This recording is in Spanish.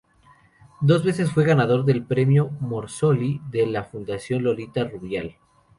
Dos veces fue ganador del Premio Morosoli de la Fundación Lolita Rubial.